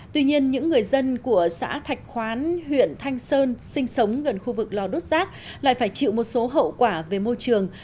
tuy nhiên những người dân của xã thạch khoán huyện thanh sơn sinh sống gần khu vực lò đốt rác lại phải chịu một số hậu quả về môi trường